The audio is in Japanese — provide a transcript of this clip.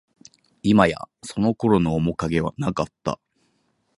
いまや、その頃の面影はなかった